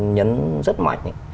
nhấn rất mạnh